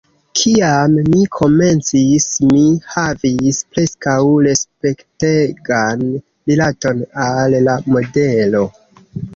Kiam mi komencis, mi havis preskaŭ respektegan rilaton al la modelo.